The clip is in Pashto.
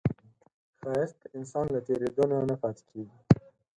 ښایست د انسان له تېرېدو نه نه پاتې کېږي